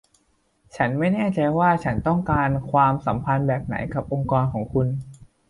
ฉันไม่แน่ใจว่าฉันต้องการความสัมพันธ์แบบไหนกับองค์กรของคุณ